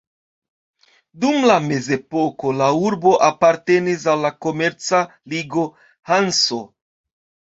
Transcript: Dum la mezepoko la urbo apartenis al la komerca ligo Hanso.